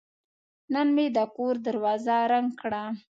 نن مې د کور دروازه رنګ کړه.